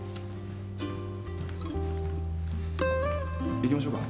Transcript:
行きましょうか。